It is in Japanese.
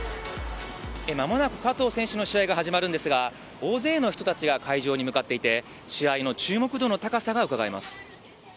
まもなく加藤選手の試合が始まるんですが、大勢の人たちが会場に向かっていて、試合の注目度の高さがうかがえます。